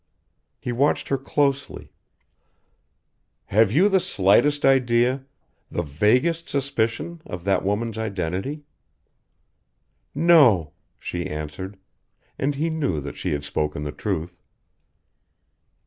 He watched her closely "Have you the slightest idea the vaguest suspicion of that woman's identity?" "No!" she answered and he knew that she had spoken the truth.